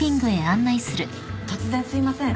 突然すいません。